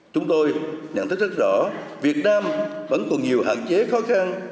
chúng tôi nhận thức rất rõ việt nam vẫn còn nhiều hạn chế khó khăn